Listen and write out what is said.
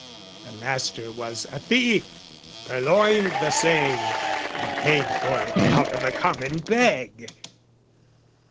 The Master was a thief, purloined the same, Or paid for it out of the common bag!